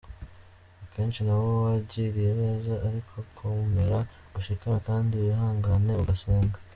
akenshi nabo wagiriye neza ariko komera ushikame kandi wihangane, ugusenga.